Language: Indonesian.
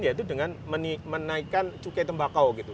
yaitu dengan menaikkan cukai tembakau gitu